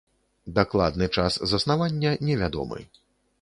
Дакладны час заснавання не вядомы.